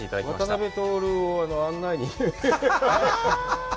渡辺徹を案内に。